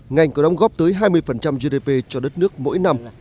ngành có đóng góp tới hai mươi gdp cho đất nước mỗi năm